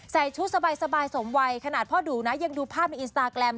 ชุดสบายสมวัยขนาดพ่อดูนะยังดูภาพในอินสตาแกรม